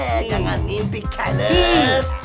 eh jangan mimpi kailas